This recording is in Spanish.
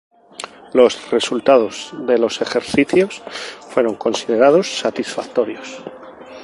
Los resultados de los ejercicios fueron considerados satisfactorios.